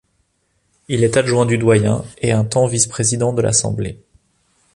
Il est adjoint du doyen et un temps vice président de l'Assemblée.